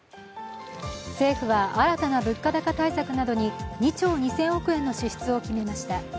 政府は新たな物価高対策などに２兆２０００億円の支出を決めました。